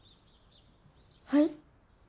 はい？